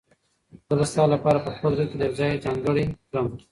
زه به ستا لپاره په خپل زړه کې یو ځای ځانګړی کړم.